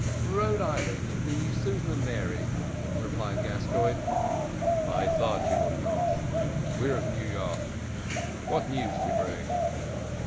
"Rhode Island, the Susan and Mary," replied Gascoigne. "I thought you were north. We're of New York. What news do you bring?"